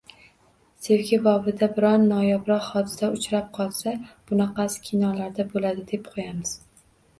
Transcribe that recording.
Sevgi bobida biron noyobroq hodisa uchrab qolsa, bunaqasi kinolarda boʻladi, deb qoʻyamiz.